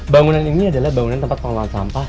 bangunan ini adalah bangunan tempat pengelolaan sampah